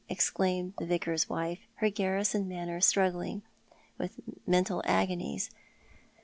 exclaimed the Vicar's wife, her garrison manner struggling with mental agonies.